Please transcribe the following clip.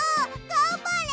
がんばれ！